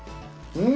うん。